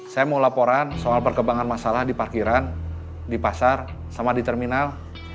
saya mau laporan soal perkembangan masalah di parkiran di pasar sama di terminal